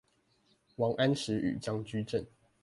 王安石與張居正